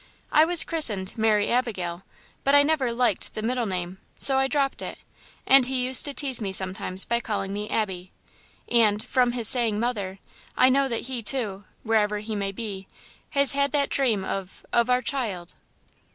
I was christened 'Mary Abigail,' but I never liked the middle name, so I dropped it; and he used to tease me sometimes by calling me 'Abby.' And from his saying 'mother,' I know that he, too, wherever he may be, has had that dream of of our child."